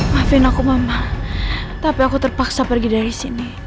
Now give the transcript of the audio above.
maafin aku mama tapi aku terpaksa pergi dari sini